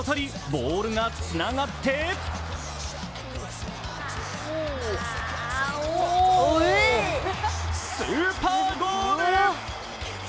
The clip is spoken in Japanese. ボールがつながってスーパーゴール。